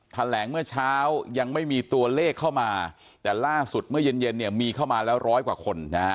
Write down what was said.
แถลงเมื่อเช้ายังไม่มีตัวเลขเข้ามาแต่ล่าสุดเมื่อเย็นเย็นเนี่ยมีเข้ามาแล้วร้อยกว่าคนนะฮะ